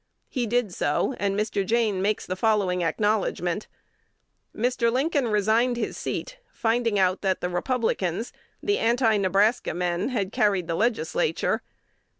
He did so, and Mr. Jayne makes the following acknowledgment: "Mr. Lincoln resigned his seat, finding out that the Republicans, the Anti Nebraska men, had carried the Legislature.